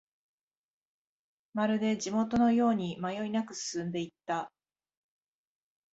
まるで地元のように迷いなく進んでいった